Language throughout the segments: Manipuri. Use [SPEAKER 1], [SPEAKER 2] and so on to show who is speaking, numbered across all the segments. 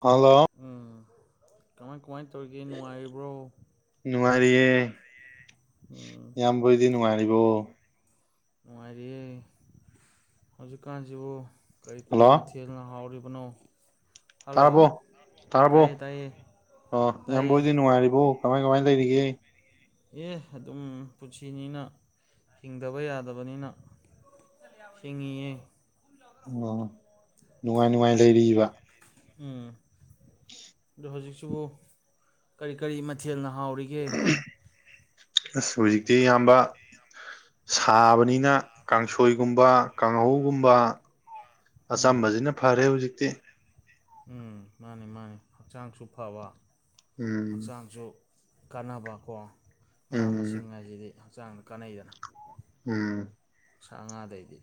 [SPEAKER 1] ꯍꯜꯂꯣ
[SPEAKER 2] ꯎꯝ ꯀꯃꯥꯏ ꯀꯃꯥꯏ ꯇꯧꯔꯤꯒꯦ ꯅꯨꯡꯉꯥꯏꯔꯤꯕ꯭ꯔꯣ
[SPEAKER 1] ꯅꯨꯡꯉꯥꯏꯔꯤꯌꯦ
[SPEAKER 2] ꯎꯝ
[SPEAKER 1] ꯑꯩꯈꯣꯏꯗꯤ ꯅꯨꯡꯉꯥꯏꯔꯤꯕꯣ
[SPEAKER 2] ꯅꯨꯡꯉꯥꯏꯔꯤꯦ ꯍꯧꯖꯤꯛꯀꯥꯟꯁꯤꯕꯨ ꯀꯔꯤ ꯀꯔꯤ
[SPEAKER 1] ꯍꯜꯂꯣ
[SPEAKER 2] ꯃꯊꯤ ꯁꯦꯜꯅ ꯍꯥꯎꯔꯤꯕꯅꯣ
[SPEAKER 1] ꯇꯥꯔꯕꯣ
[SPEAKER 2] ꯍꯜꯂꯣ
[SPEAKER 1] ꯇꯥꯔꯕꯣ
[SPEAKER 2] ꯇꯥꯏꯌꯦ ꯇꯥꯏꯌꯦ
[SPEAKER 1] ꯑꯣ
[SPEAKER 2] ꯇꯥꯏꯌꯦ
[SPEAKER 1] ꯏꯌꯥꯝꯕꯣꯏꯗꯤ ꯅꯨꯡꯉꯥꯏꯔꯤꯕꯣ ꯀꯃꯥꯏ ꯀꯃꯥꯏ ꯂꯩꯔꯤꯒꯦ
[SPEAKER 2] ꯑꯦ ꯑꯗꯨꯝ ꯄꯨꯟꯁꯤꯅꯤꯅ ꯊꯤꯡꯗꯕ ꯌꯥꯗꯕꯅꯤꯅ ꯁꯦꯡꯉꯌꯦ
[SPEAKER 1] ꯎꯝ ꯅꯨꯡꯉꯥꯏ ꯅꯨꯡꯉꯥꯏ ꯂꯩꯔꯤꯕ
[SPEAKER 2] ꯎꯝ ꯑꯗ ꯍꯧꯖꯤꯛꯁꯤꯕꯨ ꯀꯔꯤ ꯀꯔꯤ ꯃꯊꯦꯜꯅ ꯍꯥꯎꯔꯤꯒ ꯌꯦ
[SPEAKER 1] ꯑꯁ ꯍꯧꯖꯤꯛꯇꯤ ꯑꯌꯥꯝꯕ ꯁꯥꯕꯅꯤꯅ ꯀꯥꯡꯁꯣꯏꯒꯨꯝꯕ ꯀꯥꯡꯍꯧꯒꯨꯝꯕ
[SPEAKER 2] ꯎꯝ
[SPEAKER 1] ꯑꯆꯝꯕꯁꯤꯅ ꯐꯔꯦ ꯍꯧꯖꯤꯛꯇꯤ
[SPEAKER 2] ꯎꯝ ꯃꯥꯅꯤ ꯃꯥꯅꯤ ꯍꯛꯆꯥꯡꯁꯨ ꯐꯕ
[SPEAKER 1] ꯎꯝ
[SPEAKER 2] ꯍꯛꯆꯥꯡꯁꯨ ꯀꯥꯟꯅꯕ ꯀꯣ ꯃꯅꯥ ꯃꯁꯤꯡ
[SPEAKER 1] ꯎꯝ
[SPEAKER 2] ꯍꯥꯏꯁꯤꯗꯤ ꯍꯛꯆꯥꯡꯗ ꯀꯥꯟꯅꯩꯗꯅ
[SPEAKER 1] ꯎꯝ
[SPEAKER 2] ꯁꯉꯥꯗꯩꯗꯤ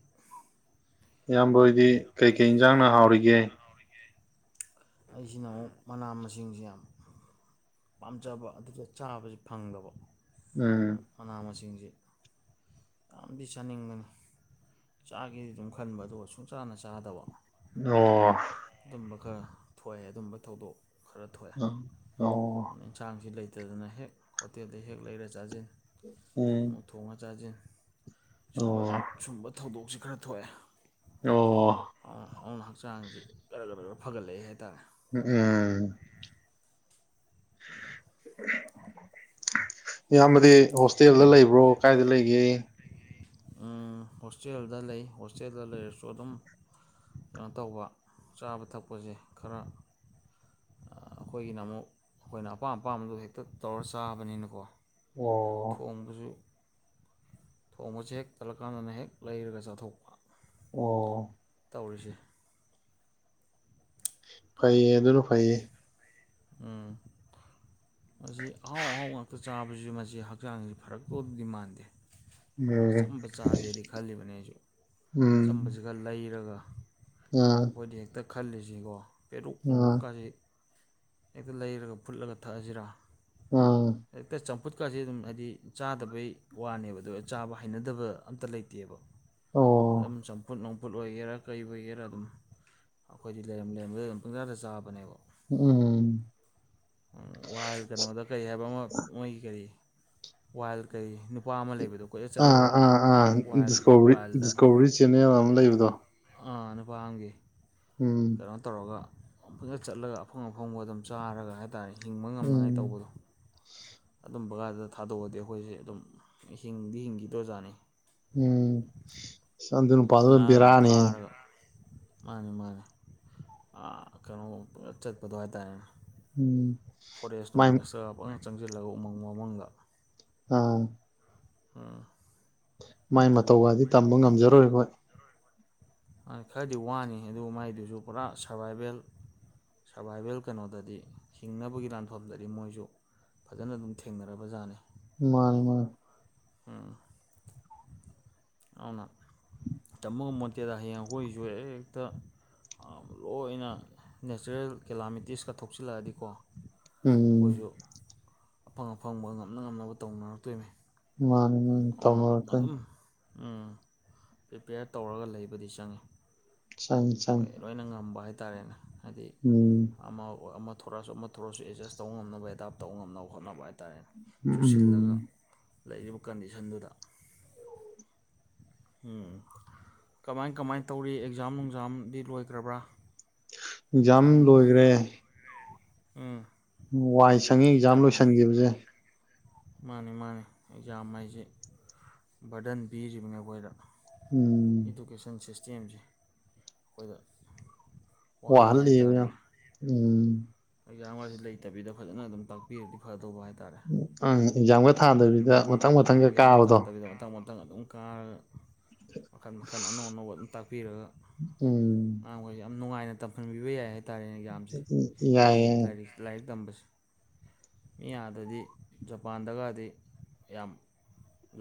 [SPEAKER 1] ꯏꯌꯥꯝꯕꯗꯤ ꯀꯩꯀꯩ ꯏꯟꯖꯥꯡꯅ ꯍꯥꯎꯔꯤꯒꯦ
[SPEAKER 2] ꯑꯩꯁꯤꯅ ꯑꯃꯨꯛ ꯃꯅꯥ ꯃꯁꯤꯡꯁꯤ ꯌꯥꯝ ꯄꯥꯝꯖꯕ ꯑꯗꯨꯒ ꯆꯥꯕꯁꯤ ꯐꯪꯗꯕ
[SPEAKER 1] ꯎꯝ
[SPEAKER 2] ꯃꯅꯥ ꯃꯁꯤꯡꯁ ꯌꯥꯝꯗꯤ ꯆꯥꯅꯤꯡꯕꯅꯤ ꯆꯥꯈꯤ ꯑꯗꯨꯝ ꯈꯟꯕ ꯑꯗꯨꯒ ꯁꯨꯡ ꯆꯥꯅ ꯆꯥꯗꯕ
[SPEAKER 1] ꯑꯣ
[SPEAKER 2] ꯑꯗꯨꯝꯕ ꯈꯔ ꯊꯣꯛꯑꯦ ꯑꯗꯨꯝꯕ ꯊꯧꯗꯣꯛ ꯈꯔ ꯊꯣꯛꯑꯦ
[SPEAKER 1] ꯑꯣ
[SPEAKER 2] ꯑꯗꯨꯅ ꯏꯟꯁꯥꯡꯁꯤ ꯂꯩꯇ ꯂꯩꯇꯗꯅ ꯍꯦꯛ ꯍꯣꯇꯦꯜꯗ ꯍꯦꯛ ꯂꯩꯔ ꯆꯥꯁꯤꯟ
[SPEAKER 1] ꯎꯝ
[SPEAKER 2] ꯑꯃꯣꯡꯛ ꯊꯣꯡꯉ ꯆꯥꯁꯤꯟ ꯁꯨꯝꯕ
[SPEAKER 1] ꯑꯣ
[SPEAKER 2] ꯁꯨꯝꯕ ꯊꯧꯗꯣꯛꯁꯦ ꯈꯔ ꯊꯣꯛꯑꯦ
[SPEAKER 1] ꯑꯣ
[SPEAKER 2] ꯑ ꯑꯗꯨꯅ ꯍꯛꯆꯥꯡꯁꯤ ꯈꯔ ꯈꯔ ꯈꯔ ꯐꯒꯠꯂꯛꯏ ꯍꯥꯏꯇꯥꯔꯦ
[SPEAKER 1] ꯎ ꯎꯝ ꯏꯌꯥꯝꯕꯗꯤ ꯍꯣꯁꯇꯦꯜꯗ ꯂꯩꯕ꯭ꯔꯣ ꯀꯥꯏꯗ ꯂꯩꯒꯦ
[SPEAKER 2] ꯍꯣꯁꯇꯦꯜꯗ ꯂꯩ ꯍꯣꯁꯇꯦꯜꯗ ꯂꯩꯔꯁꯨ ꯑꯗꯨꯝ ꯀꯩꯅꯣ ꯇꯧꯕ ꯆꯥꯕ ꯊꯛꯄꯁꯦ ꯈꯔ ꯑꯩꯈꯣꯏꯒꯤꯅ ꯑꯃꯨꯛ ꯑꯩꯈꯣꯏꯅ ꯑꯄꯥꯝ ꯑꯄꯥꯝꯕꯗꯨ ꯍꯦꯛꯇ ꯇꯧꯔ ꯆꯥꯕꯅꯤꯅꯀꯣ
[SPEAKER 1] ꯑꯣ
[SPEAKER 2] ꯊꯣꯡꯕꯁꯨ ꯊꯣꯡꯕꯁ ꯍꯦꯛ ꯆꯠꯂꯀꯥꯟꯗꯅ ꯍꯦꯛ ꯂꯩꯔꯒ ꯆꯥꯊꯣꯛꯄ
[SPEAKER 1] ꯑꯣ
[SPEAKER 2] ꯇꯧꯔꯤꯁꯦ
[SPEAKER 1] ꯐꯩꯌꯦ ꯑꯗꯨꯅ ꯐꯩꯌꯦ
[SPEAKER 2] ꯎꯝ ꯃꯁꯤ ꯑꯍꯥꯎ ꯑꯍꯥꯎ ꯉꯥꯛꯇ ꯆꯥꯕꯁꯤ ꯃꯁꯤ ꯍꯛꯆꯥꯡꯁꯤ ꯐꯔꯛ ꯇꯗꯤ ꯃꯥꯟꯗꯦ ꯑꯗꯨꯅ
[SPEAKER 1] ꯎꯝ
[SPEAKER 2] ꯑꯆꯝꯕ ꯆꯥꯒꯦꯗꯤ ꯈꯜꯂꯤꯕꯅꯦ ꯑꯩꯁꯨ
[SPEAKER 1] ꯎꯝ
[SPEAKER 2] ꯑꯆꯕꯁꯤ ꯂꯩꯔꯒ
[SPEAKER 1] ꯑꯥ
[SPEAKER 2] ꯑꯩꯈꯣꯏꯗꯤ ꯍꯦꯛꯇ ꯈꯜꯂꯤꯁꯤꯀꯣ ꯄꯦ
[SPEAKER 1] ꯑꯥ
[SPEAKER 2] ꯅꯣꯡꯎꯞꯀꯥꯁꯤ ꯍꯦꯛꯇ ꯂꯩꯔꯒ ꯐꯨꯠꯂꯒ ꯊꯛꯑꯁꯤꯔꯥ
[SPEAKER 1] ꯑꯥ
[SPEAKER 2] ꯍꯦꯛꯇ ꯈꯨꯠꯀꯥꯁꯦ ꯑꯗꯨꯝ ꯍꯥꯏꯗꯤ ꯆꯥꯗꯕꯩ ꯋꯥꯅꯦꯕ ꯑꯗꯨꯒ ꯆꯥꯕ ꯍꯩꯅꯗꯕ ꯑꯝꯇ ꯂꯩꯇꯦꯕ
[SPEAKER 1] ꯑꯣ
[SPEAKER 2] ꯑꯗꯨꯝ ꯆꯝꯐꯨꯠ ꯅꯝꯐꯨꯠ ꯑꯣꯏꯒꯦꯔꯛ ꯀꯩ ꯑꯣꯏꯒꯦꯔꯥ ꯑꯗꯨꯝ ꯑꯩꯈꯣꯏꯗꯤ ꯂꯩꯔꯝ ꯂꯩꯔꯝꯕꯗ ꯑꯗꯨꯝ ꯄꯪꯖꯥꯗ ꯆꯥꯕꯅꯦꯕ
[SPEAKER 1] ꯎꯝ
[SPEAKER 2] ꯋꯥꯜ ꯀꯩꯅꯣꯗ ꯀꯔꯤ ꯍꯥꯏꯕ ꯑꯃ ꯃꯣꯏꯒꯤ ꯀꯔꯤ ꯋꯥꯏꯜ ꯀꯩ ꯅꯨꯄꯥ ꯑꯃ ꯂꯩꯕꯗꯣ ꯀꯣꯏꯂ ꯆꯠꯂꯒ ꯋꯥꯏꯜꯗ
[SPEAKER 1] ꯀꯧꯔꯤ ꯆꯦꯟꯅꯜ ꯑꯃ ꯂꯩꯕꯗꯣ
[SPEAKER 2] ꯑꯥ ꯅꯨꯄꯥꯥꯡꯒꯦ
[SPEAKER 1] ꯎꯝ
[SPEAKER 2] ꯀꯩꯅꯣ ꯇꯧꯔꯒ ꯑꯃꯗ ꯆꯠꯂꯒ ꯑꯐꯪ ꯑꯐꯪꯕ ꯑꯗꯨꯝ ꯆꯥꯔꯒ ꯍꯥꯏ ꯍꯤꯡꯕ ꯉꯝꯅꯉꯥꯏ
[SPEAKER 1] ꯎꯝ
[SPEAKER 2] ꯇꯧꯕꯗꯣ ꯑꯗꯨꯝꯕ ꯒꯥꯗꯨꯗ ꯊꯥꯗꯣꯛꯑꯗꯤ ꯑꯩꯈꯣꯏꯁꯦ ꯑꯗꯨꯝ ꯍꯤꯡꯗꯤ ꯍꯤꯡꯈꯤꯗꯣꯔ ꯖꯥꯠꯅꯤ
[SPEAKER 1] ꯎꯝ ꯆꯟ ꯑꯗꯨ ꯅꯨꯄꯥꯗꯨ
[SPEAKER 2] ꯉꯥꯒ
[SPEAKER 1] ꯕꯤꯔꯥꯅꯤꯍꯦ
[SPEAKER 2] ꯐꯥꯔꯒ ꯃꯥꯅꯤ ꯃꯥꯅꯦ ꯑꯃꯥ ꯀꯩꯅꯣ ꯄꯪꯆꯠ ꯆꯠꯄꯗꯣ ꯍꯥꯏꯇꯥꯔꯦꯅꯦ
[SPEAKER 1] ꯎꯝ
[SPEAKER 2] ꯐꯣꯔꯦꯁ
[SPEAKER 1] ꯃꯥꯏ
[SPEAKER 2] ꯅꯣꯂꯦꯁꯇ ꯐꯖꯅ ꯆꯪꯁꯤꯜꯂꯒ ꯎꯃꯪ ꯋꯥꯃꯪꯗ
[SPEAKER 1] ꯑ
[SPEAKER 2] ꯑꯥ
[SPEAKER 1] ꯃꯥꯏ ꯃꯇꯧꯒꯗꯤ ꯇꯝꯕ ꯉꯝꯖꯔꯣꯏ ꯑꯩꯈꯣꯏ
[SPEAKER 2] ꯑ ꯈꯔꯗꯤ ꯋꯥꯅꯤ ꯑꯗꯨ ꯃꯥꯏꯗꯨꯁꯨ ꯄꯨꯔꯥ ꯁꯔꯚꯥꯏꯚꯦꯜ ꯁꯔꯕꯥꯏꯚꯦꯜ ꯀꯩꯅꯣꯗꯗꯤ ꯍꯤꯡꯅꯕꯒꯤ ꯂꯥꯟꯐꯝꯗꯗꯤ ꯃꯣꯏꯁꯨ ꯐꯖꯅ ꯑꯗꯨꯝ ꯊꯦꯡꯅꯔꯕ ꯖꯥꯠꯅꯤ
[SPEAKER 1] ꯃꯥꯅꯤ ꯃꯥꯅꯤ
[SPEAKER 2] ꯎꯝ ꯑꯗꯨꯅ ꯇꯝꯕ ꯉꯝꯃꯣꯠꯇꯦꯗ ꯍꯌꯦꯡ ꯑꯩꯈꯣꯏꯒꯤꯁꯨ ꯍꯦꯛꯇ ꯂꯣꯏꯅ ꯅꯦꯆꯔꯦꯜ ꯀꯦꯂꯥꯃꯤꯇꯤꯁꯀ ꯊꯣꯛꯆꯤꯜꯂꯛꯑꯗꯤꯀꯣ
[SPEAKER 1] ꯎꯝ
[SPEAKER 2] ꯑꯩꯈꯣꯏꯁꯨ ꯑꯐꯪ ꯑꯐꯪꯕ ꯉꯝꯅ ꯉꯝꯅꯕ ꯇꯧꯅꯔꯛꯇꯣꯏꯅꯤ
[SPEAKER 1] ꯃꯥꯅꯦ
[SPEAKER 2] ꯑꯗꯨꯅ ꯑꯗꯨꯝ ꯎꯝ ꯄ꯭ꯔꯤꯄꯦꯌꯔ ꯇꯧꯔꯒ ꯂꯩꯕꯗꯤ ꯆꯪꯏ
[SPEAKER 1] ꯆꯪꯉꯤ
[SPEAKER 2] ꯍꯣꯏ
[SPEAKER 1] ꯆꯪꯉꯤ
[SPEAKER 2] ꯂꯣꯏꯅ ꯉꯝꯕ ꯍꯥꯏꯇꯥꯔꯦꯅꯦ ꯍꯥꯏꯗꯤ
[SPEAKER 1] ꯎꯝ
[SPEAKER 2] ꯑꯃ ꯑꯃ ꯊꯣꯛꯣꯔꯛꯑꯁꯨ ꯑꯃ ꯊꯣꯔꯁꯨ ꯑꯦꯗꯖꯁ ꯇꯧꯕ ꯉꯝꯅꯕ ꯑꯦꯗꯥꯞ ꯇꯧꯕ ꯉꯝꯅꯕ ꯍꯣꯠꯅꯕ ꯍꯥꯏ ꯇꯥꯔꯦ ꯆꯨꯁꯤꯜꯂꯒ
[SPEAKER 1] ꯎꯝ
[SPEAKER 2] ꯂꯩꯔꯤꯕ ꯀꯟꯗꯤꯁꯟꯗꯨꯗ ꯎꯝ ꯀꯃꯥꯏ ꯀꯃꯥꯏꯅ ꯇꯧꯔꯤ ꯑꯦꯛꯖꯥꯝ ꯅꯨꯡ ꯑꯦꯛꯖꯥꯝꯗꯤ ꯂꯣꯏꯈ꯭ꯔꯕ꯭ꯔꯥ
[SPEAKER 1] ꯑꯦꯛꯖꯥꯝ ꯂꯣꯏꯈ꯭ꯔꯦ
[SPEAKER 2] ꯎꯝ
[SPEAKER 1] ꯎꯝ ꯋꯥꯏ ꯁꯪꯉꯤ ꯑꯦꯛꯖꯥꯝ
[SPEAKER 2] ꯌꯥꯝ
[SPEAKER 1] ꯂꯣꯏꯁꯤꯟꯈꯤꯕꯁꯦ
[SPEAKER 2] ꯃꯥꯅꯤ ꯃꯥꯅꯤ ꯑꯦꯛꯖꯥꯝ ꯍꯥꯏꯁꯤ ꯕꯔꯗꯟ ꯄꯤꯔꯤꯕꯅꯤ ꯑꯩꯈꯣꯏꯗ
[SPEAKER 1] ꯎꯝ
[SPEAKER 2] ꯏꯗꯨꯀꯦꯁꯟ ꯁꯤꯁꯇꯦꯝꯁꯦ ꯑꯩꯈꯣꯏꯗ ꯋꯥꯍꯜꯂꯦ
[SPEAKER 1] ꯋꯥꯍꯜꯜꯂꯤꯕ ꯌꯥꯝ ꯎꯝ
[SPEAKER 2] ꯍꯛꯖꯥꯝ ꯋꯥꯔꯁꯤ ꯂꯩꯇꯕꯤꯗ ꯐꯖꯅ ꯑꯗꯨꯝ ꯇꯥꯛꯄꯤꯔꯗꯤ ꯐꯗꯧꯕ ꯍꯥꯏꯇꯥꯔꯦ
[SPEAKER 1] ꯎꯝ ꯑꯦꯛꯖꯥꯝꯒ ꯊꯥꯗꯣꯏ
[SPEAKER 2] ꯑꯦꯛꯖꯥꯝꯒ ꯊꯥꯗꯕꯤꯗ ꯑꯦꯛꯖꯥꯝꯒ ꯊꯥꯗꯕꯤꯗ ꯃꯊꯪ ꯃꯊꯪ ꯑꯗꯨꯝ ꯀꯥꯔꯒ ꯃꯈꯟ ꯃꯈꯜ ꯑꯅꯧ ꯑꯅꯧꯕ ꯑꯗꯨꯝ ꯇꯥꯛꯄꯤꯔꯒ
[SPEAKER 1] ꯎꯝ
[SPEAKER 2] ꯑꯉꯥꯡꯃꯈꯣꯏꯁꯦ ꯌꯥꯝ ꯅꯨꯡꯉꯥꯏꯅ ꯇꯝ ꯈꯟꯕꯤꯕ ꯌꯥꯏ ꯍꯥꯏꯇꯥꯔꯦꯅꯦ ꯌꯥꯝꯁꯦ ꯑꯦ
[SPEAKER 1] ꯌꯥꯏ ꯌꯥꯏ
[SPEAKER 2] ꯂꯥꯏꯔꯤꯛ ꯂꯥꯏꯔꯤꯛ ꯇꯝꯕꯁꯦ ꯃꯤ ꯑꯗꯗꯤ ꯖꯄꯥꯟꯗꯒꯗꯤ ꯌꯥꯝ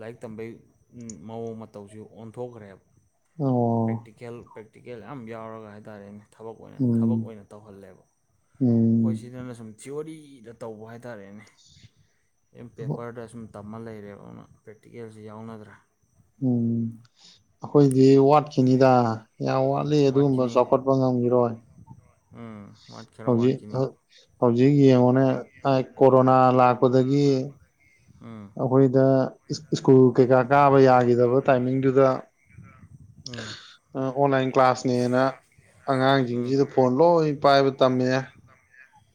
[SPEAKER 2] ꯂꯥꯏꯔꯤꯛ ꯇꯝꯕꯩ ꯃꯑꯣꯡ ꯃꯇꯧꯁꯤ ꯑꯣꯟꯊꯣꯛꯈ꯭ꯔꯦꯕ
[SPEAKER 1] ꯑꯣ
[SPEAKER 2] ꯄ꯭ꯔꯦꯛꯇꯤꯀꯦꯜ ꯄ꯭ꯔꯦꯛꯇꯤꯀꯦꯜ ꯌꯥꯝ ꯌꯥꯎꯔꯒ ꯍꯥꯏꯇꯥꯔꯦꯅꯦ ꯊꯕꯛ ꯑꯣꯏꯅ ꯊꯕꯛ
[SPEAKER 1] ꯎꯝ
[SPEAKER 2] ꯑꯣꯏꯅ ꯇꯧꯍꯜꯂꯦꯕ ꯑꯩꯈꯣꯏ
[SPEAKER 1] ꯎꯝ
[SPEAKER 2] ꯁꯤꯗꯅ ꯁꯨꯝ ꯊꯤꯑꯣꯣꯔꯤꯗ ꯇꯧꯕ ꯍꯥꯏꯇꯥꯔꯦꯅꯦ ꯑ ꯄꯦꯄꯔꯗ ꯁꯨꯝ ꯇꯝꯃ ꯂꯩꯔꯦꯕ ꯑꯗꯨꯅ ꯄ꯭ꯔꯦꯛꯇꯤꯀꯦꯜꯁꯤ ꯌꯥꯎꯅꯗ꯭ꯔꯦ
[SPEAKER 1] ꯎꯝ ꯑꯩꯈꯣꯏꯗꯤ ꯋꯥꯠꯈꯤꯅꯤꯗ ꯌꯥꯝ ꯋꯥꯠꯂꯤ ꯑꯗꯨꯒꯨꯝꯕ
[SPEAKER 2] ꯋꯥꯠꯈꯤꯅꯤ
[SPEAKER 1] ꯆꯥꯎꯈꯠꯄ ꯉꯝꯈꯤꯔꯣꯏ
[SPEAKER 2] ꯎꯝ ꯋꯥꯠꯈꯔ
[SPEAKER 1] ꯍꯧꯖꯤꯛ
[SPEAKER 2] ꯋꯥꯠꯈꯤꯅꯤ
[SPEAKER 1] ꯍꯧꯖꯤꯛ ꯌꯦꯡꯉꯣꯅꯦ ꯀꯣꯔꯣꯅꯥ ꯂꯥꯛꯄꯗꯒꯤ
[SPEAKER 2] ꯎꯝ
[SPEAKER 1] ꯑꯩꯈꯣꯏꯗ ꯁ꯭ꯀꯨꯜ ꯀꯩꯀꯥ ꯀꯥꯕ ꯌꯥꯈꯤꯗꯕ ꯇꯥꯏꯃꯤꯡꯗꯨꯗ
[SPEAKER 2] ꯑꯝ
[SPEAKER 1] ꯑ ꯑꯣꯟꯂꯥꯏꯟ ꯀ꯭ꯂꯥꯁꯅꯦꯅ
[SPEAKER 2] ꯎꯝ
[SPEAKER 1] ꯑꯉꯥꯡꯁꯤꯡꯁꯤꯗ ꯐꯣꯟ ꯂꯣꯏ ꯄꯥꯏꯕ ꯇꯝꯃꯛꯑꯦ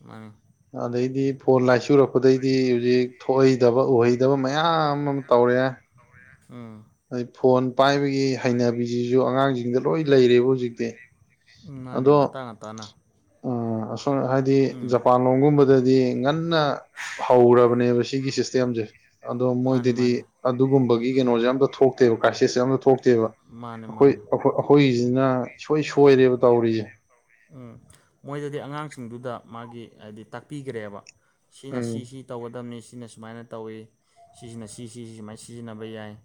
[SPEAKER 2] ꯑ
[SPEAKER 1] ꯑꯗꯩꯗꯤ ꯐꯣꯟ ꯂꯥꯏꯆꯨꯔꯛꯄꯗꯩꯗꯤ ꯍꯧꯖꯤꯛ ꯊꯣꯛꯍꯩꯗꯕ ꯎꯍꯩꯗꯕ ꯃꯌꯥꯝ ꯑꯃ ꯇꯧꯔꯦ
[SPEAKER 2] ꯑꯥ
[SPEAKER 1] ꯑꯩ ꯐꯣꯟ ꯄꯥꯏꯕꯒꯤ ꯍꯩꯅꯕꯤꯁꯤꯁꯨ ꯑꯉꯥꯡꯁꯤꯡꯗ ꯂꯣꯏ ꯂꯩꯔꯦꯕ ꯍꯧꯖꯤꯛꯇꯤ ꯑꯗꯣ
[SPEAKER 2] ꯇꯅ
[SPEAKER 1] ꯎ ꯑꯁꯣꯟ ꯍꯥꯏꯗꯤ ꯖꯄꯥꯟ ꯂꯣꯝꯒꯨꯝꯕꯗꯗꯤ ꯉꯟꯅ ꯍꯧ꯭ꯔꯕꯅꯦꯕ ꯁꯤꯒꯤ ꯁꯤꯁꯇꯦꯝꯁꯦ ꯑꯗꯣ
[SPEAKER 2] ꯃꯥꯅꯤ
[SPEAKER 1] ꯃꯣꯏꯗꯗꯤ
[SPEAKER 2] ꯃꯥꯅꯤ
[SPEAKER 1] ꯑꯗꯨꯒꯨꯝꯕꯒꯤ ꯀꯩꯅꯣꯁꯦ ꯑꯝꯇ ꯊꯣꯛꯇꯦꯕ ꯀ꯭ꯔꯥꯏꯁꯤꯁꯁꯦ ꯑꯇ ꯊꯣꯛꯇꯦꯕ
[SPEAKER 2] ꯃꯥꯅꯤ ꯃꯥꯅꯤ
[SPEAKER 1] ꯑꯩꯈꯣꯏꯈ ꯑꯩꯈꯣꯏꯒꯤꯁꯤꯅ ꯁꯨꯡꯣꯏ ꯁꯣꯏꯔꯦꯕ ꯇꯧꯔꯤꯁꯦ
[SPEAKER 2] ꯎꯝ ꯃꯣꯏꯗꯗꯤ ꯑꯉꯥꯡꯁꯤꯡꯗꯨꯗ ꯃꯥꯒꯤ ꯍꯥꯏꯗꯤ ꯇꯥꯛꯄꯤꯈ꯭ꯔꯦꯕ ꯁꯤꯅ
[SPEAKER 1] ꯎꯝ
[SPEAKER 2] ꯁꯤꯁꯤ ꯇꯧꯒꯗꯕꯅꯤ ꯁꯤꯅ ꯁꯨꯃꯥꯏꯅ ꯇꯧꯋꯤ ꯁꯤꯁꯤꯅ ꯁꯤꯁꯤ ꯁꯨꯃꯥꯏꯅ ꯁꯤꯖꯤꯟꯅꯕ ꯌꯥꯏ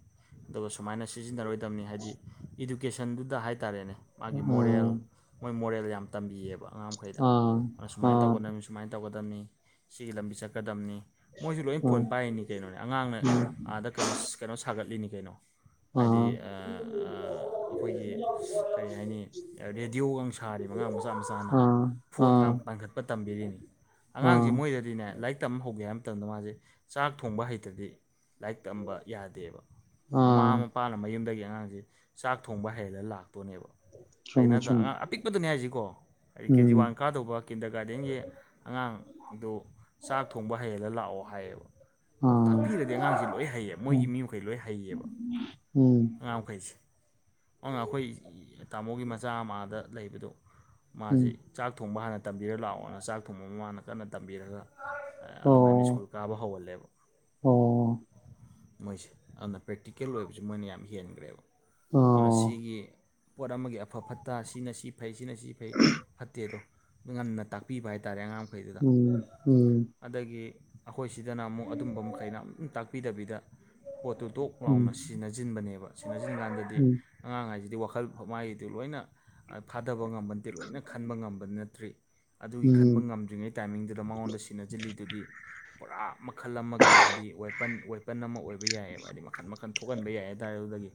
[SPEAKER 2] ꯑꯗꯨꯒ ꯁꯨꯃꯥꯏꯅ ꯁꯤꯖꯤꯟꯅꯔꯣꯏꯗꯕꯅꯤ ꯍꯥꯏꯗꯤ ꯏꯗꯨꯀꯦꯁꯟꯗꯨꯗ ꯍꯥꯏꯇꯥꯔꯦꯅꯦ ꯃꯥꯒꯤ
[SPEAKER 1] ꯎꯝ
[SPEAKER 2] ꯃꯣꯔꯦꯜ ꯃꯣꯏ ꯃꯣꯔꯦꯜ ꯌꯥꯝ ꯇꯝꯕꯤꯌꯦꯕ ꯑꯉꯥꯡ ꯃꯈꯩꯗ
[SPEAKER 1] ꯆꯨꯝꯃꯦ
[SPEAKER 2] ꯑꯗꯨꯅ ꯁꯨꯃꯥꯏꯅ ꯇꯧꯒꯗꯕꯅꯤ ꯁꯨꯃꯥꯏ ꯁꯨꯃꯥꯏꯅ ꯇꯧꯒꯗꯝꯕꯅꯤ ꯁꯤꯒꯤ ꯂꯝꯕꯤ ꯆꯠꯀꯗꯝꯅꯤ ꯃꯣꯏꯁꯨ ꯂꯣꯏ ꯐꯣꯟ ꯄꯥꯏꯔꯤꯅꯤ ꯀꯩꯅꯣꯅꯦ ꯑꯉꯥꯡꯅ ꯑꯥꯗ ꯀꯩꯅꯣ ꯀꯩꯅꯣ ꯁꯥꯒꯠꯂꯤꯅꯤ ꯀꯩꯅꯣ ꯍꯥꯏꯗꯤ ꯑ ꯑ ꯑꯈꯣꯏꯒꯤ ꯀꯔꯤ ꯍꯥꯏꯅꯤ ꯔꯦꯗꯤꯑꯣꯒ ꯁꯥꯔꯤꯕ ꯑꯉꯥꯡ ꯃꯆꯥ ꯃꯆꯥꯅ ꯐꯣꯟꯒ ꯄꯥꯡꯈꯠ ꯄ ꯇꯝꯕꯤꯔꯤꯅꯤ ꯑꯉꯥꯡꯁꯦ ꯃꯣꯏꯗꯗꯤꯅꯦ ꯂꯥꯏꯔꯤꯛ ꯇꯝꯕ ꯍꯧꯒꯦ ꯍꯥꯏꯕ ꯃꯇꯝꯗ ꯃꯥꯁꯦ ꯆꯥꯛ ꯊꯣꯡꯕ ꯍꯩꯇꯗꯤ ꯂꯥꯏꯔꯤꯛ ꯇꯝꯕ ꯌꯥꯗꯦꯕ ꯃꯃꯥ ꯃꯄꯥꯅ ꯃꯌꯨꯝꯗꯒꯤ ꯑꯉꯥꯡꯁ ꯆꯥꯛ ꯊꯣꯡꯕ ꯍꯩꯂꯒ ꯂꯥꯛꯇꯣꯏꯅꯦꯕ ꯀꯩꯅꯣꯗ
[SPEAKER 1] ꯆꯨꯝꯃꯦ
[SPEAKER 2] ꯑꯉꯥꯡ ꯑꯄꯤꯛꯄꯗꯅꯦ ꯍꯥꯏꯁꯤꯀꯣ ꯍꯥꯏꯗꯤ ꯀꯦꯖꯤ ꯋꯥꯟ
[SPEAKER 1] ꯎꯝ
[SPEAKER 2] ꯀꯥꯗꯧꯕ ꯀꯤꯟꯗꯔ ꯒꯥꯔꯗꯦꯟꯒꯤ ꯑꯉꯥꯡꯗꯨ ꯆꯥꯛ ꯊꯣꯡꯕ ꯍꯩꯍꯜꯂ ꯂꯥꯛꯑꯣ ꯍꯥꯏꯌꯦꯕ ꯑ
[SPEAKER 1] ꯑꯥ
[SPEAKER 2] ꯇꯥꯛꯄꯤꯔꯗꯤ ꯑꯉꯥꯡꯁꯦ ꯂꯣꯏ ꯍꯩꯌꯦ ꯃꯣꯏꯒꯤ
[SPEAKER 1] ꯎꯝ
[SPEAKER 2] ꯃꯤ ꯃꯈꯩ ꯂꯣꯏ ꯍꯩꯌꯦꯕ
[SPEAKER 1] ꯎꯝ
[SPEAKER 2] ꯑꯉꯥ ꯃꯈꯩꯁꯦ ꯑ ꯑꯩꯈꯣꯏ ꯇꯥꯃꯣꯒꯤ ꯃꯆꯥ ꯑꯃꯗ ꯂꯩꯕꯗꯣ ꯃꯥꯁꯤ
[SPEAKER 1] ꯎꯝ
[SPEAKER 2] ꯆꯥꯛ ꯊꯣꯡꯕ ꯍꯥꯟꯅ ꯇꯝꯕꯤꯔꯒ ꯂꯥꯛꯑꯣꯅ ꯆꯥꯛ ꯊꯣꯡꯕ ꯑꯃ ꯍꯥꯟꯅ ꯀꯟꯅ ꯇꯝꯕꯤꯔꯒ ꯑꯗꯨꯃꯥꯏꯅ
[SPEAKER 1] ꯑꯣ
[SPEAKER 2] ꯁ꯭ꯀꯨꯜ ꯀꯥꯕ ꯍꯧꯍꯜꯂꯦꯕ
[SPEAKER 1] ꯑꯣ
[SPEAKER 2] ꯃꯣꯏꯁꯦ ꯑꯗꯨꯅ ꯄ꯭ꯔꯦꯛꯇꯤꯀꯦꯜ ꯑꯣꯏꯕꯁꯨ ꯃꯣꯏꯅ ꯌꯥꯝ ꯍꯦꯟꯈ꯭ꯔꯦꯕ ꯑꯗꯨꯅ
[SPEAKER 1] ꯑꯣ
[SPEAKER 2] ꯁꯤꯒꯤ ꯄꯣꯠ ꯑꯃꯒꯤ ꯑꯐ ꯐꯠꯇ ꯁꯤꯅ ꯁꯤ ꯐꯩ ꯁꯤꯅ ꯁꯤ ꯐꯩ ꯐꯠꯇꯦꯗꯣ ꯉꯟꯅ ꯇꯥꯛꯄꯤꯕ ꯍꯥꯏꯇꯥꯔꯦ ꯑꯉꯥꯡ ꯃꯈꯩꯗꯨꯗ
[SPEAKER 1] ꯎꯝ ꯎꯝ
[SPEAKER 2] ꯑꯗꯒꯤ ꯑꯩꯈꯣꯏ ꯁꯤꯗꯅ ꯑꯃꯨꯛ ꯑꯗꯨꯝꯕ ꯃꯈꯩꯅ ꯑꯗꯨꯝ ꯇꯥꯛꯄꯤꯗꯕꯤꯗ ꯄꯣꯠꯇꯨ ꯇꯣꯛ ꯂꯥꯎꯅ
[SPEAKER 1] ꯎꯝ
[SPEAKER 2] ꯁꯤꯟꯅꯖꯤꯟꯕꯅꯦꯕ ꯁꯤꯟꯅꯁꯤꯟ ꯀꯥꯟꯗꯗꯤ
[SPEAKER 1] ꯎꯝ
[SPEAKER 2] ꯑꯉꯥꯡ ꯍꯥꯏꯁꯤꯗꯤ ꯋꯥꯈꯜ ꯃꯥꯏꯗꯨ ꯂꯣꯏꯅ ꯐꯥꯗꯕ ꯉꯃꯗꯤ ꯂꯣꯏꯅ ꯈꯟꯕ ꯉꯝꯕ ꯅꯠꯇ꯭ꯔꯤ ꯑꯗꯨꯒꯤ ꯈꯟꯕ
[SPEAKER 1] ꯎꯝ
[SPEAKER 2] ꯉꯝꯗ꯭ꯔꯤꯉꯩ ꯇꯥꯏꯃꯤꯡꯗꯨꯗ ꯃꯉꯣꯟꯗ ꯁꯤꯟꯅꯁꯤꯜꯂꯤꯗꯨꯗꯤ ꯄꯨꯔꯥ ꯃꯈꯜ ꯑꯃꯒꯤ ꯍꯥꯏꯗꯤ ꯋꯦꯄꯟ ꯋꯦꯄꯟ ꯑꯃ ꯑꯣꯏꯕ ꯍꯥꯏꯕ ꯌꯥꯏꯑꯕ ꯍꯥꯏꯗꯤ ꯃꯈꯟ ꯃꯈꯟ ꯊꯣꯛꯍꯟꯕ ꯌꯥꯏ ꯍꯥꯏꯇꯥꯔꯦ ꯑꯗꯨꯗꯒꯤ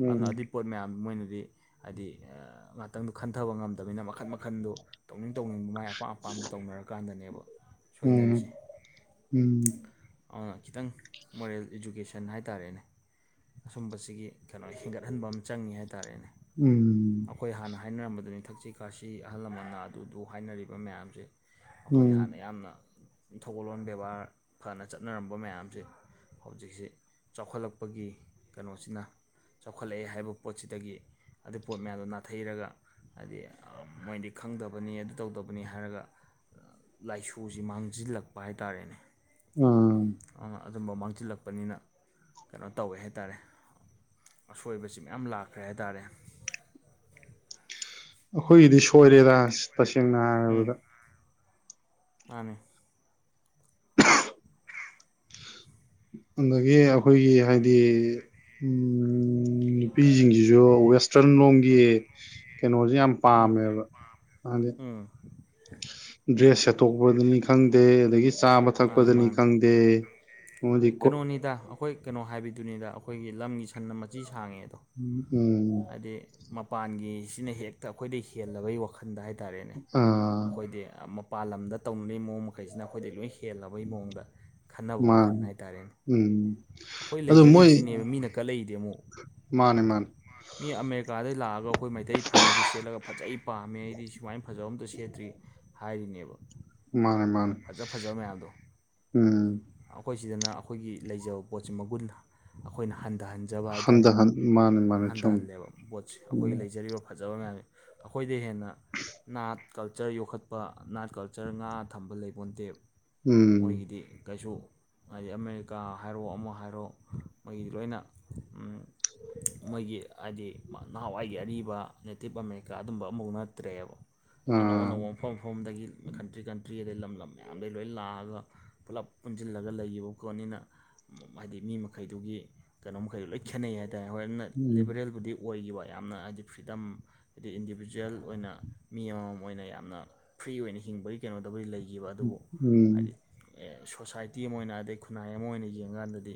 [SPEAKER 1] ꯎꯝ
[SPEAKER 2] ꯑꯗꯨꯅ ꯑꯗꯨꯏ ꯄꯣꯠ ꯃꯌꯥꯝ ꯃꯣꯏꯅꯗꯤ ꯍꯥꯏꯗꯤ ꯉꯥꯏꯍꯥꯛꯇꯪꯗꯨ ꯈꯟꯊꯕ ꯉꯝꯗꯝꯅꯤꯅ ꯃꯈꯟ ꯃꯈꯟꯗꯨ ꯇꯧꯅꯤꯡ ꯇꯧꯅꯤꯡꯕ ꯃꯥꯌꯥꯝ ꯑꯄꯥꯝ ꯑꯄꯥꯝꯕ ꯇꯧꯅꯔꯀꯥꯟꯗꯅꯦꯕ ꯁꯣꯏꯅꯔꯤꯁꯦ
[SPEAKER 1] ꯎꯝ
[SPEAKER 2] ꯑꯗꯨꯅ ꯈꯤꯇꯪ ꯃꯣꯔꯦꯜ ꯏꯗꯨꯀꯦꯁꯟ ꯍꯥꯏꯇꯥꯔꯦꯅꯦ ꯑꯁꯨꯝꯕꯁꯤꯒꯤ ꯀꯩꯅꯣ ꯍꯦꯟꯒꯠꯍꯟꯕ ꯑꯃ ꯆꯪꯏꯤ ꯍꯥꯏꯇꯥꯥꯔꯦꯅꯦ
[SPEAKER 1] ꯎꯝꯝ
[SPEAKER 2] ꯑꯩꯈꯣꯏ ꯍꯥꯟꯅ ꯍꯥꯏꯅꯔꯝꯕꯗꯨꯅꯤ ꯊꯛꯁꯤ ꯈꯥꯁꯤ ꯑꯍꯜ ꯂꯃꯟꯅ ꯑꯗꯨꯗꯨ ꯍꯥꯏꯅꯔꯤꯕ ꯃꯌꯥꯝꯁꯦ ꯑꯩꯈꯣꯏꯒꯤ
[SPEAKER 1] ꯎꯝ
[SPEAKER 2] ꯍꯥꯟꯅ ꯌꯥꯝꯅ ꯊꯧꯒꯜꯂꯣꯟ ꯕꯦꯕꯥꯔ ꯐꯅ ꯆꯠꯅꯔꯝꯕ ꯃꯌꯥꯝꯁꯦ ꯍꯧꯖꯤꯛꯁꯤ ꯆꯥꯎꯈꯠꯂꯛꯄꯒꯤ ꯀꯩꯅꯣꯁꯤꯅ ꯆꯥꯎꯈꯠꯂꯛꯑꯦ ꯍꯥꯏꯕ ꯄꯣꯠꯁꯤꯗꯒꯤ ꯑꯗꯨ ꯄꯣꯠ ꯃꯌꯥꯝꯗꯣ ꯅꯥꯊꯩꯔꯒ ꯍꯥꯏꯗꯤ ꯃꯣꯏꯗꯤ ꯈꯪꯗꯕꯅꯤ ꯑꯗꯨ ꯇꯧꯗꯕꯅꯤ ꯍꯥꯏꯔꯒ ꯂꯥꯏꯁꯨꯁꯤ ꯃꯥꯡꯁꯤꯜꯂꯛꯄ ꯍꯥꯏꯇꯥꯔꯦꯅꯦ
[SPEAKER 1] ꯎꯝ
[SPEAKER 2] ꯑ ꯑꯗꯨꯝꯕ ꯃꯥꯡꯖꯤꯜꯂꯛꯄꯅꯤꯅ ꯀꯩꯅꯣ ꯇꯧꯋꯦ ꯍꯥꯏꯇꯥꯔꯦ ꯑꯁꯣꯏꯕꯁꯤ ꯃꯌꯥꯝ ꯂꯥꯛꯈ꯭ꯔꯦ ꯍꯥꯏꯇꯥꯔꯦ
[SPEAKER 1] ꯑꯈꯣꯏꯒꯤꯗꯤ ꯁꯣꯏꯔꯦꯗ ꯇꯁꯦꯡꯅ ꯍꯥꯏꯔꯕꯗ
[SPEAKER 2] ꯑꯥꯅꯤ
[SPEAKER 1] ꯑꯗꯒꯤ ꯑꯈꯣꯏꯒꯤ ꯍꯥꯏꯗꯤ ꯎꯝ ꯎꯝ ꯅꯨꯄꯤꯖꯤꯡꯖꯤꯖꯨ ꯋꯦꯁꯇ꯭ꯔꯟ ꯂꯣꯝꯒꯤ ꯀꯩꯅꯣꯖꯦ ꯌꯥꯝ ꯄꯥꯝꯃꯦꯕ ꯑꯗꯤ
[SPEAKER 2] ꯎꯝ
[SPEAKER 1] ꯗ꯭ꯔꯦꯁ ꯁꯦꯠꯇꯣꯛꯄꯗꯅꯤ ꯈꯪꯗꯦ ꯑꯗꯒꯤ ꯆꯥꯕ
[SPEAKER 2] ꯃꯥꯅꯦ
[SPEAKER 1] ꯊꯛꯄꯗꯅꯤ
[SPEAKER 2] ꯃꯥꯅꯦ
[SPEAKER 1] ꯈꯪꯗꯦ ꯃꯣꯏꯗꯤ
[SPEAKER 2] ꯑꯩ
[SPEAKER 1] ꯀꯣ
[SPEAKER 2] ꯀꯩꯅꯣꯅꯤꯗ ꯑꯈꯣꯏ ꯀꯩꯅꯣ ꯍꯥꯏꯕꯤꯗꯨꯅꯤꯗ ꯑꯈꯣꯏꯒꯤ ꯂꯝꯒꯤ ꯁꯟꯅ ꯃꯆꯤ ꯁꯥꯡꯉꯦ ꯑꯗꯣ
[SPEAKER 1] ꯎꯝ ꯎꯝ
[SPEAKER 2] ꯍꯥꯏꯗꯤ ꯃꯄꯥꯟꯒꯤꯁꯤꯅ ꯍꯦꯛꯇ ꯑꯈꯣꯏꯗꯩꯩ ꯍꯤ ꯍꯦꯜꯂꯕꯩ ꯋꯥꯈꯟꯗ ꯍꯥꯏ ꯇꯥꯔꯦꯅꯦ
[SPEAKER 1] ꯑꯥ
[SPEAKER 2] ꯑꯈꯣꯏꯗꯩꯩ ꯑꯃꯞ ꯄꯥꯜꯂꯝꯗ ꯇꯧꯅꯔꯤ ꯃꯑꯣꯡ ꯃꯈꯩꯁꯤꯅ ꯑꯈꯣꯏꯗ ꯂꯣꯏ ꯍꯦꯜꯂꯕꯩ ꯃꯑꯣꯡꯗ ꯈꯟꯅꯕ ꯋꯥ ꯈꯟ
[SPEAKER 1] ꯃꯥꯅꯦ ꯎꯝ
[SPEAKER 2] ꯍꯥꯏꯇꯥꯔꯦꯅꯦ ꯑꯈꯣꯏ
[SPEAKER 1] ꯑꯗꯨ ꯃꯣꯏ
[SPEAKER 2] ꯂꯩꯖꯔꯤꯞꯁꯤꯅꯦꯕ ꯃꯤꯅ ꯀꯂꯛꯏꯗꯤ ꯑꯃꯨꯛ
[SPEAKER 1] ꯃꯥꯅꯦ ꯃꯥꯟ
[SPEAKER 2] ꯃꯤ ꯑꯃꯦꯔꯤꯀꯥꯗꯩ ꯂꯥꯛꯑꯒ ꯑꯈꯣꯏ ꯃꯩꯇꯩ ꯐꯅꯦꯛꯇꯨ ꯁꯦꯠꯂꯒ ꯐꯖꯩ ꯄꯥꯝꯃꯦ ꯑꯩꯗꯤ ꯁꯤ ꯁꯨꯃꯥꯏꯟ ꯐꯖꯕ ꯑꯝꯇ ꯁꯦꯠꯇ꯭ꯔꯤ ꯍꯥꯏꯔꯤꯅꯦꯕ
[SPEAKER 1] ꯃꯥꯅꯦ ꯃꯥꯟ
[SPEAKER 2] ꯐꯖ ꯐꯖ ꯃꯌꯥꯝꯗꯣ
[SPEAKER 1] ꯎꯝ
[SPEAKER 2] ꯑꯈꯣꯏ ꯁꯤꯗꯅ ꯑꯈꯣꯏꯒꯤ ꯂꯩꯖꯕ ꯄꯣꯠꯁꯤ ꯃꯒꯨꯟ ꯑꯈꯣꯏꯅ ꯍꯟꯗꯍꯟ ꯖꯕ
[SPEAKER 1] ꯍꯟꯗ
[SPEAKER 2] ꯍꯥꯏꯇꯥꯔꯦꯅꯦ
[SPEAKER 1] ꯍꯟ ꯃꯥꯅꯦ ꯃꯥꯅꯦ ꯆꯨꯝꯃꯤ
[SPEAKER 2] ꯍꯟꯗꯍꯟꯂꯦꯕ ꯄꯣꯠꯁꯤ ꯑꯈꯣꯏꯒꯤ ꯂꯩꯖꯔꯤꯕ ꯐꯖꯕ ꯃꯌꯥꯝꯅꯤ ꯑꯈꯣꯏꯗꯩꯩ ꯍꯦꯟꯅ ꯅꯥꯠ ꯀꯜꯆꯔ ꯌꯣꯛꯈꯠꯄ ꯅꯥꯠ ꯀꯜꯆꯔ ꯉꯥ ꯊꯝꯕ ꯂꯩꯕꯣꯟꯇꯦ
[SPEAKER 1] ꯎꯝ
[SPEAKER 2] ꯃꯣꯏꯒꯤꯗꯤ ꯀꯩꯁꯨ ꯍꯥꯏꯗꯤ ꯑꯃꯦꯔꯤꯀꯥ ꯍꯥꯏꯔꯣ ꯑꯃ ꯍꯥꯏꯔꯣ ꯃꯣꯏꯒꯤꯗꯤ ꯂꯣꯏꯅ ꯎꯝ ꯃꯣꯏꯒꯤ ꯑꯗꯤ ꯅꯍꯥꯟꯋꯥꯏꯒꯤ ꯑꯔꯤꯕ ꯅꯦꯇꯤꯞ ꯑꯃꯦꯔꯤꯀꯥ ꯑꯗꯨꯝꯕ ꯑꯃꯕꯧ ꯅꯠꯇ꯭ꯔꯦꯕ ꯑꯅꯧ
[SPEAKER 1] ꯑꯥ
[SPEAKER 2] ꯑꯅꯧꯕ ꯃꯐꯝ ꯃꯐꯝꯗꯒꯤ ꯀꯟꯇ꯭ꯔꯤ ꯀꯟꯇ꯭ꯔꯤꯗꯩ ꯂꯝ ꯂꯝ ꯃꯌꯥꯝꯗꯒꯤ ꯂꯣꯏ ꯂꯥꯛꯑꯒ ꯄꯨꯂꯞ ꯄꯨꯟꯖꯤꯜꯂꯒ ꯂꯩꯒꯤꯕ ꯈꯣꯠꯅꯤꯅ ꯎꯝ ꯍꯥꯏꯗꯤ ꯃꯤ ꯃꯈꯩꯗꯨꯒꯤ ꯀꯩꯅꯣ ꯃꯈꯩꯗꯨ ꯂꯣꯏ ꯈꯦꯠꯅꯩ ꯍꯥꯏ ꯇ ꯍꯣꯏ ꯑꯟꯅ
[SPEAKER 1] ꯎꯝ
[SPEAKER 2] ꯂꯤꯕꯔꯦꯜꯕꯨꯗꯤ ꯑꯣꯏꯒꯤꯕ ꯌꯥꯝꯅ ꯍꯥꯏꯗꯤ ꯐ꯭ꯔꯤꯗꯝ ꯑꯗꯤ ꯏꯟꯗꯤꯕꯤꯖꯨꯋꯦꯜ ꯑꯣꯏꯅ ꯃꯤ ꯑꯃꯃꯝ ꯑꯣꯏꯅ ꯌꯥꯝꯅ ꯐ꯭ꯔꯤ ꯑꯣꯏꯅ ꯍꯤꯡꯕꯩ ꯀꯩꯅꯣꯗꯕꯨ ꯂꯩ ꯒꯤꯕ ꯑꯗꯨꯕꯨ
[SPEAKER 1] ꯎꯝ
[SPEAKER 2] ꯍꯥꯏꯗꯤ ꯑꯦ ꯁꯣꯁꯥꯏꯇꯤ ꯑꯃ ꯑꯣꯏꯅ ꯑꯗꯩ ꯈꯨꯟꯅꯥꯏ ꯑꯃ ꯑꯣꯏꯅ ꯌꯦꯡꯒꯥꯟꯗꯗꯤ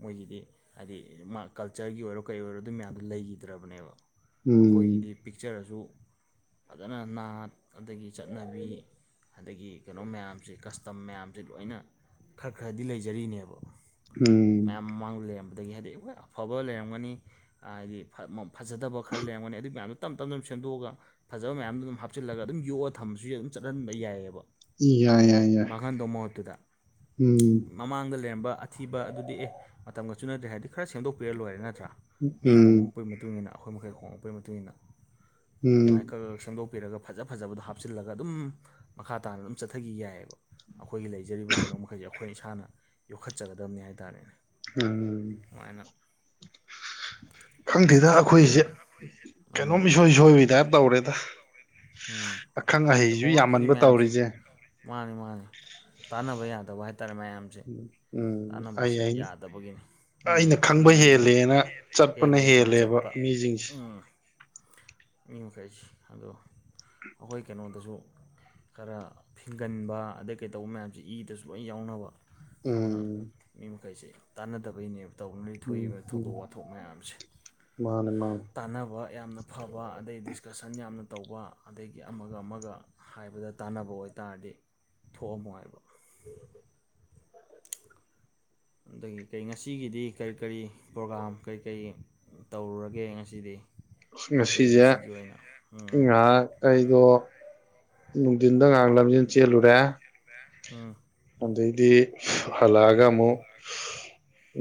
[SPEAKER 2] ꯃꯣꯏꯒꯤꯗꯤ ꯍꯥꯏꯗꯤ ꯃꯥ ꯀꯜꯆꯔꯒꯤ ꯑꯣꯏꯔꯣ ꯀꯩ ꯑꯣꯏꯔꯣ ꯑꯗꯨ ꯃꯌꯥꯝꯗꯣ ꯂꯩꯒꯤꯗ꯭ꯔꯕꯅꯦꯕ
[SPEAKER 1] ꯎꯝ
[SPEAKER 2] ꯑꯩꯈꯣꯏꯒꯤꯗꯤ ꯄꯤꯛꯆꯔꯁꯨ ꯐꯖꯅ ꯅꯥꯠ ꯑꯗꯒꯤ ꯆꯠꯅꯕꯤ ꯑꯗꯒꯤ ꯀꯩꯅꯣ ꯃꯌꯥꯝꯁꯦ ꯀꯁꯇꯝ ꯃꯌꯥꯝꯁꯦ ꯂꯣꯏꯅ ꯈꯔ ꯈꯔꯗꯤ ꯂꯩꯖꯔꯤꯅꯦꯕ
[SPEAKER 1] ꯎꯝ
[SPEAKER 2] ꯃꯌꯥꯝ ꯃꯃꯥꯡ ꯂꯩꯔꯝꯕꯗꯒꯤ ꯍꯥꯏꯗꯤ ꯍꯣꯏ ꯑꯐꯕ ꯂꯩꯔꯝꯒꯅꯤ ꯑꯥꯗꯤ ꯐ ꯃ ꯐꯖꯗꯕ ꯈꯔ ꯂꯩꯔꯝꯒꯅꯤ ꯑꯗꯨ ꯃꯌꯥꯝꯗꯨ ꯇꯝ ꯇꯝꯅ ꯑꯗꯨꯝ ꯁꯦꯝꯗꯣꯛꯑꯒ ꯐꯖꯕ ꯃꯌꯥꯝꯗꯨ ꯗꯨꯝ ꯍꯥꯞꯆꯤꯜꯂꯒ ꯑꯗꯨꯝ ꯌꯣꯛꯑ ꯊꯝꯕꯁꯨ ꯑꯗꯨꯝ ꯆꯠꯅꯍꯟꯕ ꯌꯥꯏꯌꯦꯕ
[SPEAKER 1] ꯏ ꯌꯥ ꯌꯥ ꯌꯥꯏ
[SPEAKER 2] ꯇꯣꯃꯣꯠꯇꯨꯗ
[SPEAKER 1] ꯎꯝ
[SPEAKER 2] ꯃꯃꯥꯡꯗ ꯂꯩꯔꯝꯕ ꯑꯊꯤꯕ ꯑꯗꯨꯗꯤ ꯑꯦ ꯃꯇꯝꯒ ꯆꯨꯅꯗ꯭ꯔꯦ ꯍꯥꯏꯗꯤ ꯈꯔ ꯁꯦꯡꯗꯣꯛꯄꯤꯔ ꯂꯣꯏꯔꯦ ꯅꯠꯇ꯭ꯔꯥ ꯃꯤ
[SPEAKER 1] ꯎꯝ
[SPEAKER 2] ꯍꯣꯉꯛꯄꯩ ꯃꯇꯨꯡ ꯏꯟꯅ ꯑꯈꯣꯏ ꯃꯈꯩ ꯍꯣꯉꯛꯄꯩ ꯃꯇꯨꯡ ꯏꯟꯅ ꯑꯗꯨꯃꯥꯏ
[SPEAKER 1] ꯎꯝ
[SPEAKER 2] ꯈ ꯈ ꯁꯦꯝꯗꯣꯛꯄꯤꯔꯒ ꯐꯖ ꯐꯖꯕꯗꯣ ꯍꯥꯞꯆꯤꯜꯂꯒ ꯑꯗꯨꯝ ꯃꯈꯥ ꯇꯥꯅ ꯎꯝ ꯆꯠꯊꯒꯤ ꯌꯥꯏꯌꯦꯕ ꯑꯈꯣꯏꯒꯤ ꯂꯩꯖꯔꯤꯕ ꯀꯩꯅꯣ ꯃꯈꯩꯁꯦ ꯑꯈꯣꯏ ꯏꯁꯥꯅ ꯌꯣꯛꯈꯠꯆꯒꯗꯝꯅꯤ ꯍꯥꯏꯇꯥꯥꯔꯦꯅꯦ
[SPEAKER 1] ꯎꯝ
[SPEAKER 2] ꯃꯥꯏꯅ
[SPEAKER 1] ꯈꯪꯗꯦꯗ
[SPEAKER 2] ꯑꯗꯣ
[SPEAKER 1] ꯑꯈꯣꯏꯖꯦ
[SPEAKER 2] ꯃꯥꯅꯤ
[SPEAKER 1] ꯀꯩꯅꯣꯝ ꯏꯁꯣꯏ ꯁꯣꯏꯕꯩ ꯇꯥꯏꯞ ꯇꯧꯔꯦꯗ
[SPEAKER 2] ꯎꯝ
[SPEAKER 1] ꯑꯈꯪ
[SPEAKER 2] ꯑꯦ
[SPEAKER 1] ꯑꯍꯩꯖꯨ
[SPEAKER 2] ꯍꯣꯉꯛꯈꯤꯅꯤ
[SPEAKER 1] ꯌꯥꯝꯃꯟꯕ
[SPEAKER 2] ꯃꯌꯥꯝꯁꯦ
[SPEAKER 1] ꯇꯧꯔꯤꯖꯦ
[SPEAKER 2] ꯃꯥꯅꯤ ꯃꯥꯅꯤ ꯇꯥꯟꯅꯕ ꯌꯥꯗꯕ ꯍꯥꯏꯇꯥꯔꯦ ꯃꯌꯥꯝꯁꯦ
[SPEAKER 1] ꯎꯝ ꯑꯩ
[SPEAKER 2] ꯇꯥꯟꯅꯕꯁꯦ
[SPEAKER 1] ꯑꯩ
[SPEAKER 2] ꯌꯥꯗꯕꯒꯤꯅꯤ ꯎꯝ
[SPEAKER 1] ꯑꯩꯅ ꯈꯪꯕ
[SPEAKER 2] ꯑꯅꯤꯡ ꯑꯅꯤꯡꯕꯗ
[SPEAKER 1] ꯍꯦꯜꯂꯦꯅ ꯆꯠꯄꯅ
[SPEAKER 2] ꯍꯦꯜꯂꯦ ꯑꯗꯨꯃꯥꯏꯅ
[SPEAKER 1] ꯍꯦꯜꯂꯦꯕ
[SPEAKER 2] ꯆꯠꯄ
[SPEAKER 1] ꯃꯤꯁꯤꯡꯁꯦ
[SPEAKER 2] ꯎꯝ ꯃꯤ ꯃꯈꯩꯁꯤ ꯑꯗꯣ ꯑꯩꯈꯣꯏ ꯀꯩꯅꯣꯗꯁꯨ ꯈꯔ ꯐꯤꯡꯒꯟꯕ ꯑꯗꯩ ꯀꯩꯗꯧꯕ ꯃꯌꯥꯝꯁꯦ ꯏꯗꯁꯨ ꯂꯣꯏ ꯌꯥꯎꯅꯕ ꯍꯧꯅ
[SPEAKER 1] ꯎꯝ
[SPEAKER 2] ꯃꯤ ꯃꯈꯩꯁꯦ ꯇꯥꯟꯅꯗꯕꯩꯅꯦꯕ ꯇꯧꯅ
[SPEAKER 1] ꯎꯝ
[SPEAKER 2] ꯊꯣꯛꯏꯕ
[SPEAKER 1] ꯎꯝ
[SPEAKER 2] ꯊꯧꯗꯣꯛ ꯋꯥꯊꯣꯛ ꯃꯌꯥꯝꯁꯦ
[SPEAKER 1] ꯃꯥꯅꯦ ꯃꯥꯅꯦ
[SPEAKER 2] ꯇꯥꯟꯅꯕ ꯌꯥꯝꯅ ꯐꯕ ꯑꯗꯩ ꯗꯤꯁꯀꯁꯟ ꯌꯥꯝꯅ ꯇꯧꯕ ꯑꯗꯒꯤ ꯑꯃꯒ ꯑꯃꯒ ꯍꯥꯏꯕꯗ ꯇꯥꯟꯅꯕ ꯑꯣꯏꯇꯥꯔꯗꯤ ꯊꯣꯛꯑꯝꯃꯣꯏ ꯍꯥꯏꯕ ꯑꯗꯒꯤ ꯀꯔꯤ ꯉꯁꯤꯒꯤꯗꯤ ꯀꯔꯤ ꯀꯔꯤ ꯄ꯭ꯔꯣꯒꯥ꯭ꯔꯝ ꯀꯔꯤ ꯀꯔꯤ ꯇꯧꯔꯨꯔꯒꯦ ꯉꯁꯤꯗꯤ ꯀꯩꯀꯩ
[SPEAKER 1] ꯉꯁꯤꯁꯦ
[SPEAKER 2] ꯉꯁꯤꯒꯤ ꯑꯣꯏꯅ ꯑꯥ
[SPEAKER 1] ꯉꯥꯏꯍꯥꯛ ꯑꯩꯗꯣ ꯅꯨꯡꯊꯤꯟꯗ ꯉꯥꯡ ꯂꯝꯖꯦꯟ ꯆꯦꯜꯂꯨꯔꯦ
[SPEAKER 2] ꯍꯥꯥ
[SPEAKER 1] ꯑꯗꯩꯗꯤ ꯍꯜꯂꯛꯑꯒ ꯑꯃꯨꯛ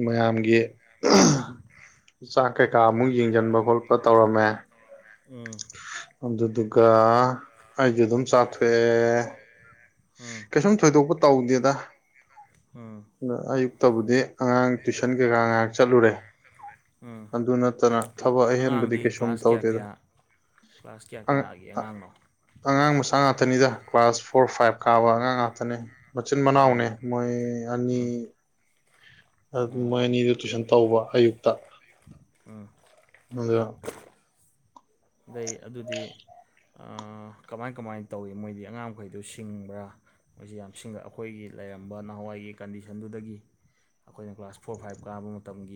[SPEAKER 1] ꯃꯌꯥꯝꯒꯤ ꯆꯥꯛ ꯀꯩꯀꯥ ꯑꯃꯨꯛ ꯌꯦꯡꯁꯤꯟꯕ ꯈꯣꯠꯄ ꯇꯧꯔꯝꯃꯦ
[SPEAKER 2] ꯎꯝ
[SPEAKER 1] ꯑꯗꯨꯗꯨꯒ ꯑꯩꯁꯨ ꯑꯗꯨꯝ ꯆꯥꯊꯣꯛꯑꯦ ꯀꯩꯁꯨꯝ ꯊꯣꯏꯗꯣꯛꯄ ꯇꯧꯗꯦꯗ
[SPEAKER 2] ꯑꯝ
[SPEAKER 1] ꯑꯌꯨꯛꯇꯕꯨꯗꯤ ꯑꯉꯥꯡ ꯇꯨꯏꯁꯟ ꯀꯩꯀꯥ ꯉꯥꯏꯍꯥꯛ ꯆꯠꯂꯨꯔꯦ
[SPEAKER 2] ꯎꯝ
[SPEAKER 1] ꯑꯗꯨ ꯅꯠꯇꯅ ꯊꯕꯛ ꯑꯍꯦꯟꯕꯗꯤ
[SPEAKER 2] ꯑꯉꯥꯡꯗꯤ
[SPEAKER 1] ꯀꯩꯁꯨꯝ
[SPEAKER 2] ꯀ꯭ꯂꯥꯁ ꯀꯌꯥ
[SPEAKER 1] ꯇꯧꯗꯦꯗ
[SPEAKER 2] ꯀꯌꯥ ꯀ꯭ꯂꯥꯁ ꯀꯌꯥ ꯀꯌꯥꯒꯤ ꯑꯉꯥꯡꯅꯣ
[SPEAKER 1] ꯑꯉꯥꯡ ꯃꯆꯥ ꯉꯥꯛꯇꯅꯤꯗ ꯀ꯭ꯂꯥꯁ ꯐꯣꯔ ꯐꯥꯏꯚ ꯀꯥꯕ ꯑꯉꯥꯡ ꯉꯥꯛꯇꯅꯦ ꯃꯆꯤꯟ
[SPEAKER 2] ꯎꯝ
[SPEAKER 1] ꯃꯅꯥꯎꯅꯦ ꯃꯣꯏ ꯑꯅꯤ
[SPEAKER 2] ꯎꯝ ꯑꯣ
[SPEAKER 1] ꯃꯣꯏ ꯑꯅꯤꯗꯨ ꯇꯨꯏꯁꯟ ꯇꯧꯕ ꯑꯌꯨꯛꯇ
[SPEAKER 2] ꯑꯝ
[SPEAKER 1] [inaudible]
[SPEAKER 2] ꯂꯩ ꯑꯗꯨꯗꯤ ꯀꯃꯥꯏ ꯀꯃꯥꯏꯅ ꯇꯧꯏ ꯃꯣꯏꯗꯤ ꯑꯉꯥꯡ ꯃꯈꯩꯗꯨ ꯁꯤꯡꯕ꯭ꯔꯥ ꯃꯣꯏꯁꯤ ꯌꯥꯝ ꯁꯤꯡꯒ ꯑꯩꯈꯣꯏꯒꯤ ꯂꯩꯔꯝꯕ ꯅꯍꯥꯟꯋꯥꯏꯒꯤ ꯀꯟꯗꯤꯁꯟꯗꯨꯗꯒꯤ ꯑꯩꯈꯣꯏꯅ ꯀ꯭ꯂꯥꯁ ꯐꯣꯔ ꯐꯥꯏꯕ ꯀꯥꯕ ꯃꯇꯝꯒꯤ